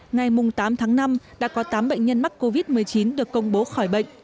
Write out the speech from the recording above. ngày tám tháng năm đã có tám bệnh nhân mắc covid một mươi chín được công bố khỏi bệnh